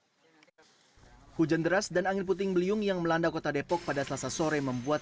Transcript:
hai hujan deras dan angin puting beliung yang melanda kota depok pada selasa sore membuat